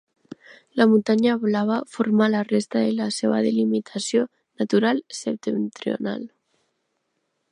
La Muntanya Blava forma la resta de la seva delimitació natural septentrional.